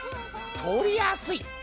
取りやすい。